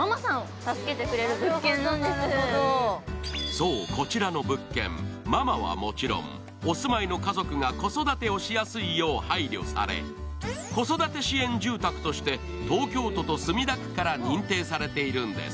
そう、こちらの物件ママはもちろん、お住まいの家族が子育てをしやすいよう配慮され子育て支援住宅として東京都と墨田区から認定されているんです。